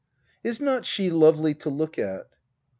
] Is not she lovely to look at